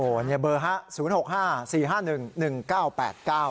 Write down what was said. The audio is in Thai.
โอ้โหเนี่ยเบอร์ฮะ๐๖๕๔๕๑๑๙๘๙